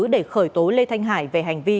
để khởi tố lê thanh hải về hành vi